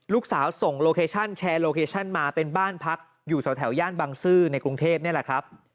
ลูกสาวส่งโลเคชั่นแชร์โลเคชั่นมาเป็นบ้านพักอยู่แถวย่านบังซื้อในกรุงเทพนี่แหละครับ